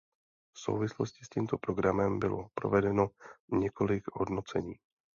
V souvislosti s tímto programem bylo provedeno několik hodnocení.